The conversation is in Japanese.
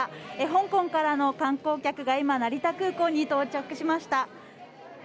香港からの観光客が今、成田空港に到着しました。